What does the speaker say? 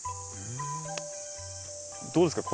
どうですか